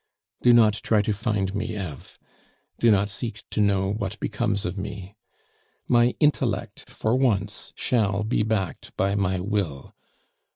Do not try to find me, Eve; do not seek to know what becomes of me. My intellect for once shall be backed by my will.